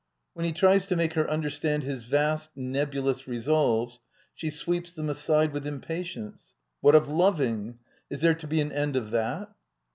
When he tries to make her understand his vast, nebulous resolves she sweeps them aside with impatience. What of loving? Is there to be an end of that?